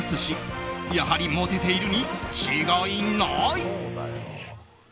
やはりモテているに違いない！